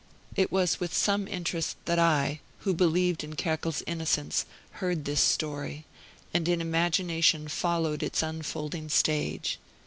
It was with some interest that I, who believed in Kerkel's innocence, heard this story; and in imagination followed its unfolding stage.